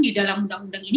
di dalam undang undang ini